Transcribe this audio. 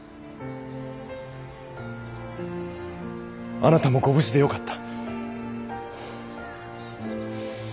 あなたもご無事でよかった。